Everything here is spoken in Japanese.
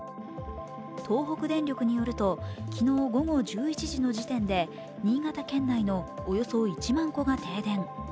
東北電力によると、昨日午後１１時の時点で新潟県内のおよそ１万戸が停電。